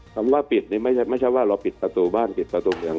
คำว่าปิดนี่ไม่ใช่ว่าเราปิดประตูบ้านปิดประตูเมือง